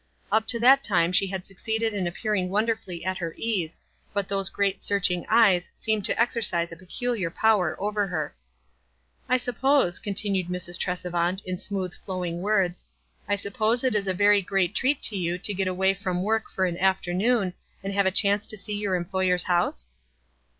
Up to that time she had succeeded in appearing wonderfully at her ease, but those great searching eyes seemed to exer> cise a peculiar power over her. "I suppose," continued Mrs. Tresevant, in smooth, flowing words ; "I suppose it is a very great treat to you to get away from work for an afternoon, and have a chance to see your em ployers house?"